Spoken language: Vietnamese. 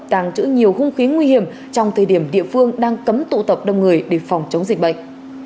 tàng trữ nhiều hung khí nguy hiểm trong thời điểm địa phương đang cấm tụ tập đông người để phòng chống dịch bệnh